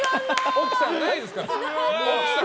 奥さん、ないですから。